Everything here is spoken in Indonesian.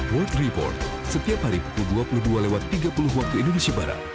world report setiap hari pukul dua puluh dua tiga puluh waktu indonesia barat